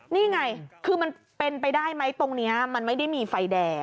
นี่ไงคือมันเป็นไปได้ไหมตรงนี้มันไม่ได้มีไฟแดง